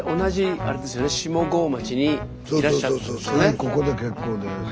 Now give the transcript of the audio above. ここで結構です。